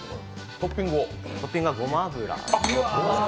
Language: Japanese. トッピングはごま油。